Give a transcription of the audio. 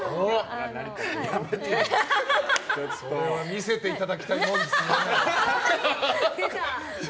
見せていただきたいもんですね。